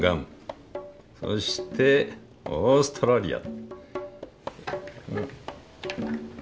そしてオーストラリア。